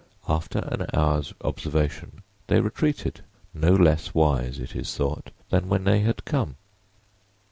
After an hour's observation they retreated, no less wise, it is thought, than when they had come.